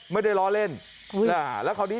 ไม่ได้ล้อเล่นแล้วคราวนี้